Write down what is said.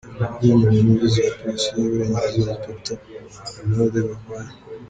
Aya makuru yemejwe n’Umuvugizi wa Polisi y’Iburengerazuba, Inspector Eulade Gakwaya.